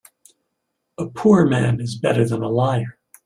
A poor man is better than a liar.